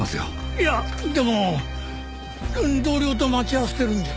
いやでも同僚と待ち合わせてるんじゃ？